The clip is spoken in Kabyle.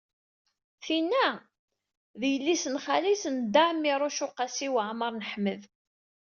Tinna d yelli-s n xali-s n Dda Ɛmiiruc u Qasi Waɛmer n Ḥmed.